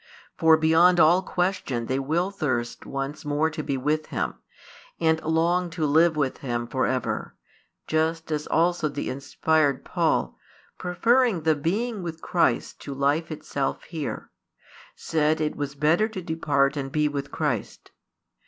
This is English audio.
For beyond all question they will thirst once more to be with Him, and long to live with Him for ever; just as also the inspired Paul, preferring the being with Christ to life itself here, said it was better to depart and be with Christ.